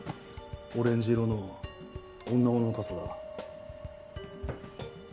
オレンジ色の女物の傘だ。